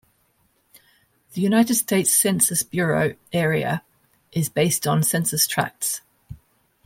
The United States Census Bureau area is based on census tracts.